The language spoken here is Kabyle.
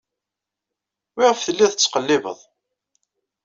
Wiɣef telliḍ tettqellibeḍ?